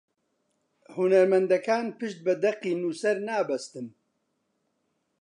هونەرمەندەکان پشت بە دەقی نووسەر نابەستن